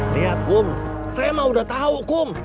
lihat kum saya mah udah tahu kum